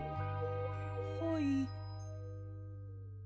はい。